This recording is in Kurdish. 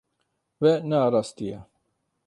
We nearastiye.